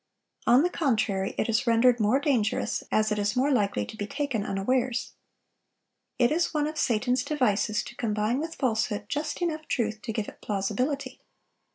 On the contrary, it is rendered more dangerous, as it is more likely to be taken unawares. It is one of Satan's devices to combine with falsehood just enough truth to give it plausibility.